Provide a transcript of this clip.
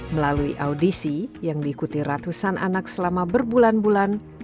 melalui audisi yang diikuti ratusan anak selama berbulan bulan